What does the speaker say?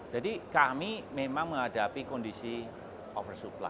jadi kami memang menghadapi kondisi yang sangat teruk ya pak